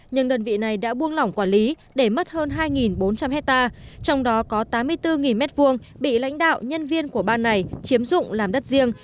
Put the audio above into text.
nhưng đơn vị này đã buông lỏng quản lý để mất hơn hai bốn trăm linh hectare trong đó có tám mươi bốn m hai bị lãnh đạo nhân viên của ban này chiếm dụng làm đất riêng